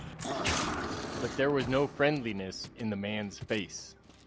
But there was no friendliness in the man's face.